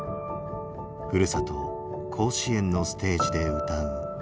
ふるさと甲子園のステージで歌う。